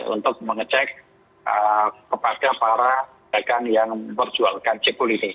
untuk mengecek kepada para rekan yang mengejualkan cekul ini